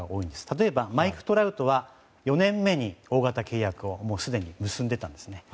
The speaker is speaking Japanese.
例えばマイク・トラウトは４年目に大型契約をすでに結んでいたんですね。